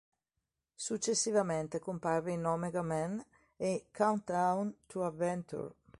Successivamente comparve in "Omega Men" e "Countdown to Adventure".